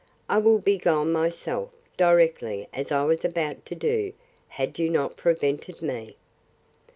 I will be gone myself, directly as I was about to do, had you not prevented me.